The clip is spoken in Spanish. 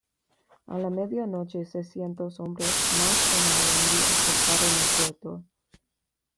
A la media noche, seiscientos hombres más tomaron y asaltaron el puerto.